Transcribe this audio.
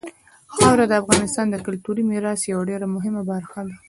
خاوره د افغانستان د کلتوري میراث یوه ډېره مهمه برخه ده.